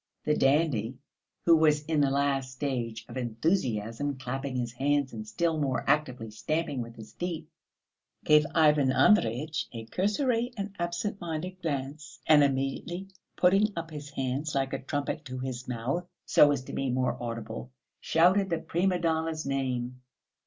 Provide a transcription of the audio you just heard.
The dandy, who was in the last stage of enthusiasm, clapping his hands and still more actively stamping with his feet, gave Ivan Andreyitch a cursory and absent minded glance, and immediately putting up his hands like a trumpet to his mouth, so as to be more audible, shouted the prima donna's name.